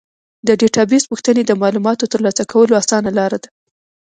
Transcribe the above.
د ډیټابیس پوښتنې د معلوماتو ترلاسه کولو اسانه لاره ده.